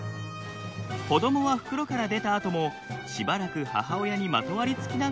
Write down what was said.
子どもは袋から出たあともしばらく母親にまとわりつきながら暮らします。